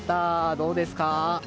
どうですか？